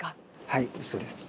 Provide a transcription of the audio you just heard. はいそうです。